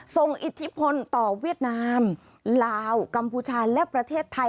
อิทธิพลต่อเวียดนามลาวกัมพูชาและประเทศไทย